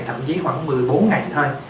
thậm chí khoảng một mươi bốn ngày thôi